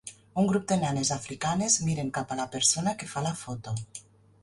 Un grup de nenes africanes miren cap a la persona que fa la foto.